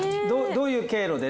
どういう経路で？